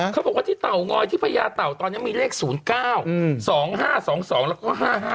เขาบอกว่าที่เตางอยที่พญาเต่าตอนนี้มีเลข๐๙๒๕๒๒แล้วก็๕๕